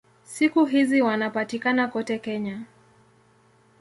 Siku hizi wanapatikana kote Kenya.